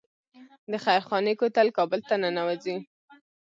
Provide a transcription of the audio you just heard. د خیرخانې کوتل کابل ته ننوځي